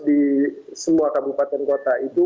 di semua kabupaten kota itu